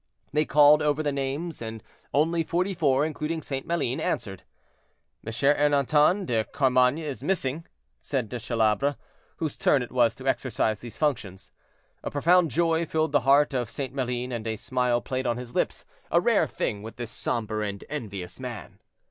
They called over the names, and only forty four, including St. Maline, answered. "M. Ernanton de Carmainges is missing," said De Chalabre, whose turn it was to exercise these functions. A profound joy filled the heart of St. Maline, and a smile played on his lips, a rare thing with this somber and envious man.